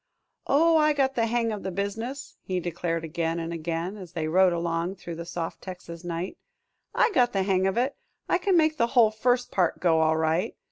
"Oh, I got the hang of the business," he declared again and again, as they rode along through the soft Texas night; "I got the hang of it. I can make the whole first part go all right.